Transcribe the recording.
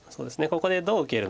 ここでどう受けるのか。